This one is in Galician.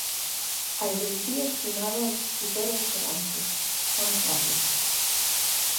Hai dous días finaba o escritor de Serantes, Juan Farias.